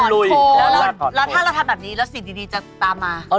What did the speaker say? แล้วถ้าเราทำแบบนี้แล้วสิ่งดีจะตามมา